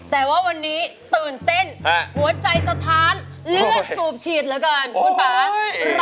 แต่ว่าวันนี้ตื่นเต้นหัวใจสะท้านเลือดสูบฉีดเหลือเกินคุณป่า